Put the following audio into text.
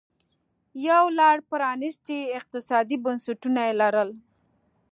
یو لړ پرانیستي اقتصادي بنسټونه یې لرل